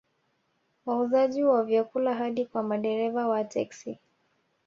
Wauzaji wa vyakula hadi kwa madereva wa teksi